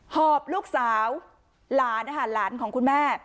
หอบลูกสาวหลานอาหารหลานของคุณแม่